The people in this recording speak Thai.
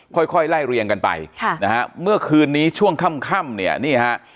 ค่อยค่อยไล่เรียงกันไปค่ะนะฮะเมื่อคืนนี้ช่วงค่ำค่ำเนี่ยนี่ฮะ